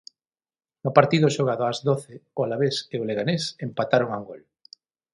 No partido xogado ás doce o Alavés e o Leganés empataron a un gol.